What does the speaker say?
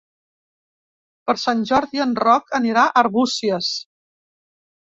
Per Sant Jordi en Roc anirà a Arbúcies.